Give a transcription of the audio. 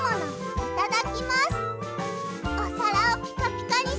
いただきます。